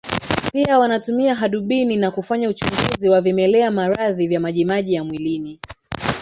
Pia wanatumia hadubini na kufanya uchunguzi wa vimelea maradhi vya majimaji ya mwilini